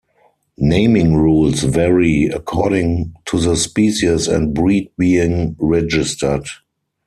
Naming rules vary according to the species and breed being registered.